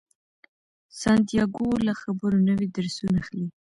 سانتیاګو له خبرو نوي درسونه اخلي.